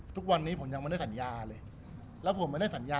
ทุกวันนี้ผมยังไม่ได้สัญญาเลยแล้วผมไม่ได้สัญญา